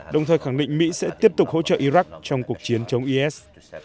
đồng thời khẳng định mỹ sẽ tiếp tục hỗ trợ iraq trong cuộc chiến chống is